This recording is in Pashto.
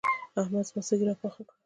احمد زما سږي راپاخه کړل.